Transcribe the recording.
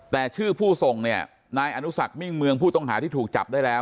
แต่ชื่อผู้ส่งเนี่ยนายอนุสักมิ่งเมืองผู้ต้องหาที่ถูกจับได้แล้ว